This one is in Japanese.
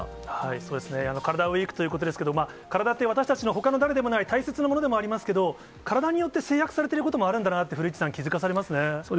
そうですね、カラダＷＥＥＫということですけれども、カラダって、私たちのほかの誰でもない大切なものでもありますけれども、カラダによって制約されてることもあるんだなって、古市さん、そうですよね。